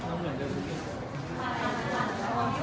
ก็คือเจ้าเม่าคืนนี้